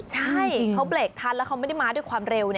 ใช่เขาเบรกทันแล้วเขาไม่ได้มาด้วยความเร็ว